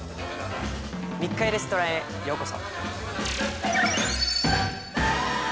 密会レストランへようこそ。